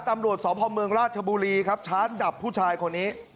ตำรวจสพเมืองราชบุรีครับชาร์จจับผู้ชายคนนี้